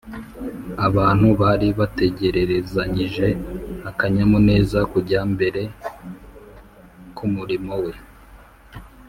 abantu bari bategererezanyije akanyamuneza kujya mbere k’umurimo we